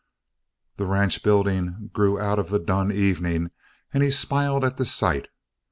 The ranch building grew out of the dun evening and he smiled at the sight.